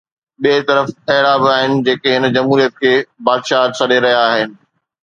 ٻئي طرف اهڙا به آهن جيڪي هن جمهوريت کي بادشاهت سڏي رهيا آهن.